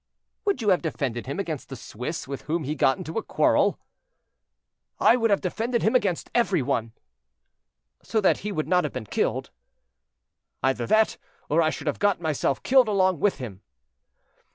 "Would you have defended him against the Swiss with whom he got into a quarrel?" "I would have defended him against every one." "So that he would not have been killed?" "Either that, or I should have got myself killed along with him."